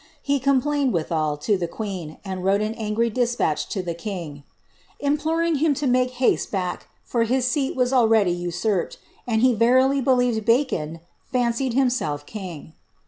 He complained, withal, to the qoeen, and wrote an angry despatch to the king, '^ imploring him to make haste back, for his seat was already usurped, and he verily believed Bacon fancied himself king.